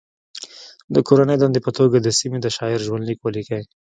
د کورنۍ دندې په توګه د سیمې د شاعر ژوند لیک ولیکئ.